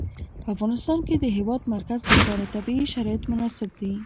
په افغانستان کې د د هېواد مرکز لپاره طبیعي شرایط مناسب دي.